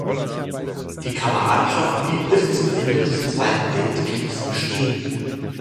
Die Kameradschaft blieb bis zum Ende des Zweiten Weltkriegs bestehen.